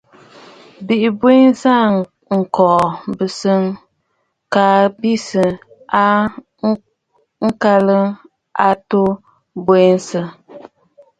Bɨ bweʼesə aa ŋkòò mɨ̀sɔ̀ŋ, kaa bɨ sɨ aa ŋ̀kɔ̀lɔ̂ àtu bweʼesə.